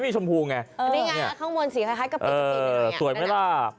นี่ครับสวยไหมล่ะ